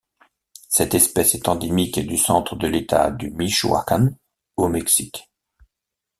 Cette espèce est endémique du centre de l'État du Michoacán au Mexique.